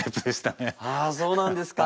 あそうなんですか。